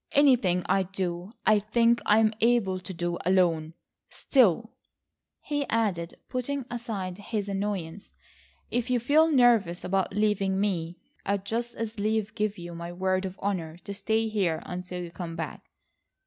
Anything I do I think I am able to do alone. Still," he added putting aside his annoyance, "if you feel nervous about leaving me I'd just as lief give you my word of honour to stay here until you come back."